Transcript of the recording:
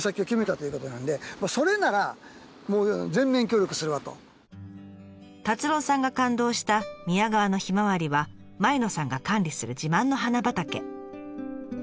今の奥さんとここの達朗さんが感動した宮川のひまわりは前野さんが管理する自慢の花畑。